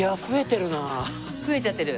増えちゃってる？